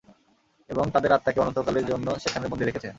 এবং, তাদের আত্মাকে অনন্তকালের জন্য সেখানে বন্দি রেখেছেন!